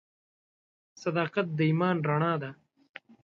• صداقت د ایمان رڼا ده.